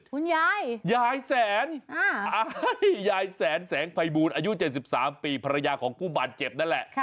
คุณยายยายแสนยายแสนแสงภัยบูลอายุ๗๓ปีภรรยาของผู้บาดเจ็บนั่นแหละ